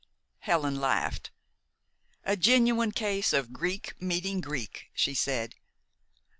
Helen laughed. "A genuine case of Greek meeting Greek," she said.